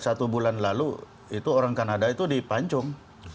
satu bulan lalu itu orang kanada itu dipancung